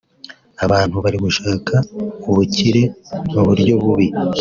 Abantu bari gushaka ubukire mu buryo bubi